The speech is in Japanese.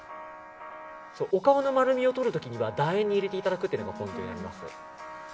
お顔の丸みをとるときには楕円に入れていただくのがポイントになります。